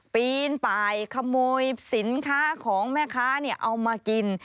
ปีนไปขโมยสินค้าของแม่ค้าเอามากิน